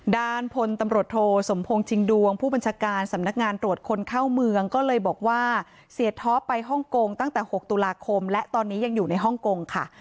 ด้านพลตำรวจโทสมพงษิงดวงผู้บัญชาการสำนักงานตรวจคนเข้าเมืองก็เลยบอกว่าเสียท็อปไปฮ่องกงตั้งแต่๖ตุลาคมและตอนนี้ยังอยู่ในฮ่องกงค่ะ